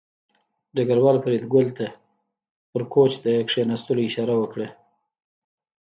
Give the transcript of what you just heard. ډګروال فریدګل ته په کوچ د کېناستو اشاره وکړه